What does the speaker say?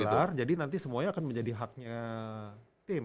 benar jadi nanti semuanya akan menjadi haknya tim